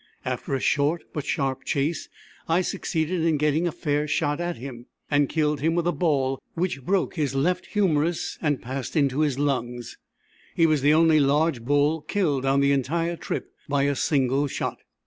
After a short but sharp chase I succeeded in getting a fair shot at him, and killed him with a ball which broke his left humerus and passed into his lungs. He was the only large bull killed on the entire trip by a single shot.